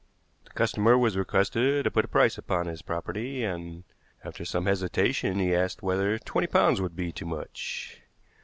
The customer was requested to put a price upon his property, and, after some hesitation, he asked whether twenty pounds would be too much.